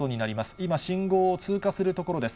今、信号を通過するところです。